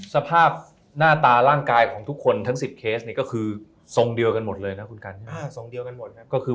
สภาพหน้าตาร่างกายของทุกคนทั้ง๑๐เคสเนี่ยก็คือ